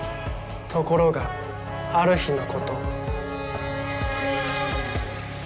ところがある日のこと。